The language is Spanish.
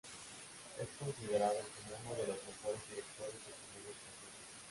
Es considerado como uno de los mejores directores de comedias francesas.